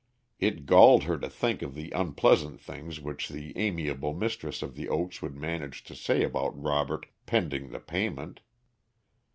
It galled her to think of the unpleasant things which the amiable mistress of The Oaks would manage to say about Robert pending the payment.